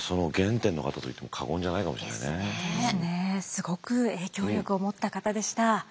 すごく影響力を持った方でした。